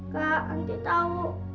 kak nanti tau